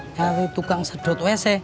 nyari tukang sedot wc